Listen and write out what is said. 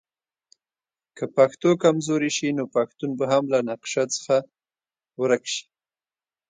که پښتو کمزورې شي نو پښتون به هم له نقشه څخه ورک شي.